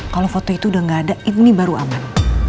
kalau foto itu udah gak ada ini baru aman